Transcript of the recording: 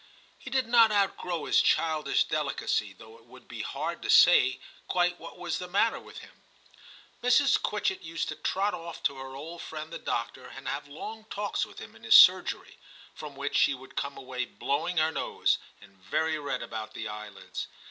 He did not outgrow his childish delicacy, though it would be hard to say quite what was the matter 238 TIM CHAP. with him. Mrs. Quitchett used to trot off to her old friend the doctor and have long talks with him in his surgery, from which she would come away blowing her nose and very red about the eyelids.